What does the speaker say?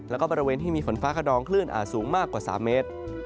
แล้วก็บริเวณที่มีฝนฟ้าขนองคลื่นอาจสูงมากกว่า๓เมตร